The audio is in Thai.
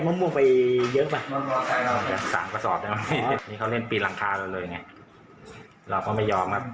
เราก็ไม่ยอมถ้าเขาเข้าบ้านเราจะทำไง